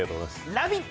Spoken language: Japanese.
「ラヴィット！」